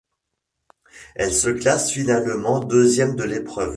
Elle se classe finalement deuxième de l'épreuve.